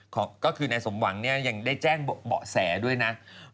ก็คือในสมวังยังได้แจ้งเบาะแสด้วยนะ